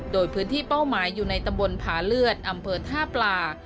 โดยพื้นที่เป้าหมายอยู่ในตำบลผาเลือดอำเภอท่าปลา